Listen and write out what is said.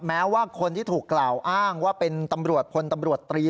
แม้ว่าคนที่ถูกกล่าวอ้างว่าเป็นตำรวจพลตำรวจตรี